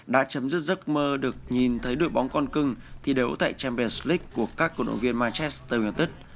đã chấm dứt giấc mơ được nhìn thấy đội bóng con cưng thi đấu tại champions league của các cổ động viên manchester united